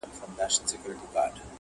منصوري کریږه یم له داره وځم,